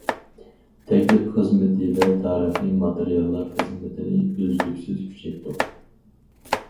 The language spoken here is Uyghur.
تەكلىپ خىزمىتى ۋە تارىخىي ماتېرىياللار خىزمىتىنى ئۈزلۈكسىز كۈچەيتتۇق.